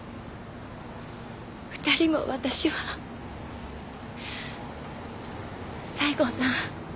２人も私は西郷さん